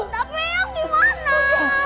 tapi ayah gimana